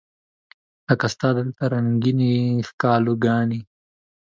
لکه ستا دلته رنګینې ښکالو ګانې